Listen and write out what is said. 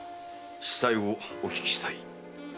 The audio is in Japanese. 子細をお聞きしたい。